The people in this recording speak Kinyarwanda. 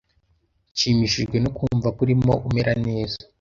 Nshimishijwe no kumva ko urimo umera neza.